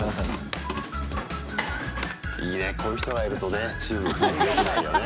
いいね、こういう人がいるとねチームの雰囲気よくなるよね。